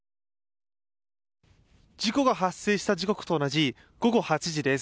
事故が発生した時刻と同じ午後８時です。